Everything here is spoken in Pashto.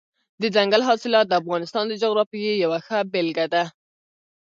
دځنګل حاصلات د افغانستان د جغرافیې یوه ښه بېلګه ده.